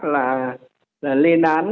là lên án